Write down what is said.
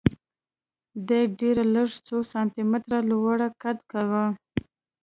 دې ډېرو لږو څو سانتي متره لوړ قد کاوه